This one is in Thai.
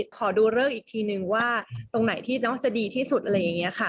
ขอดูเลิกอีกทีนึงว่าตรงไหนที่น้องจะดีที่สุดอะไรอย่างนี้ค่ะ